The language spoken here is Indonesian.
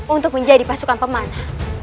untuk menjadi pasukan pemanah